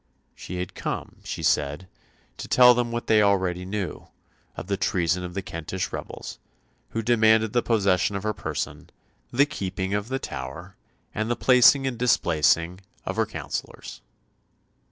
She had come, she said, to tell them what they already knew of the treason of the Kentish rebels, who demanded the possession of her person, the keeping of the Tower, and the placing and displacing of her counsellors.